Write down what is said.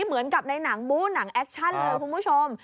เหมือนกับในหนังบู้หนังแอคชั่นเลยคุณผู้ชม